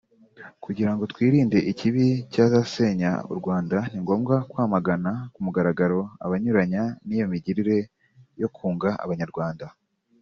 Kugirango twirinde ikibi cyazasenya u Rwanda ningombwa kwamagana kumugaragaro abanyuranya n’iyo migirire yo kunga abanyarwanda